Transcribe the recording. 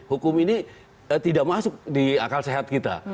hukum ini tidak masuk di akal sehat kita